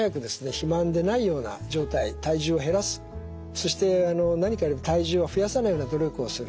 肥満でないような状態体重を減らすそして体重を増やさないような努力をする。